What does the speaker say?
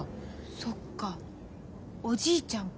そっかおじいちゃんか。